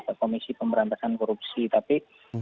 ke komisi pemberantasan korupsi tapi